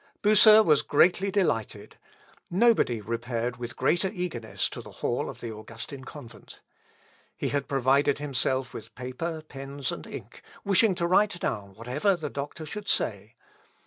Bucer was greatly delighted; nobody repaired with greater eagerness to the hall of the Augustin convent. He had provided himself with paper, pens, and ink, wishing to write down whatever the doctor should say.